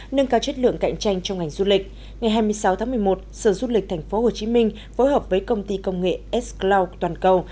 nâng cao chất lượng cạnh tranh trong ngành du lịch ngày hai mươi sáu tháng một mươi một sở du lịch tp hcm phối hợp với công ty công nghệ s cloud toàn cầu